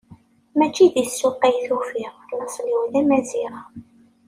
Mačči di ssuq ay t-ufiɣ, laṣel-iw d amaziɣ.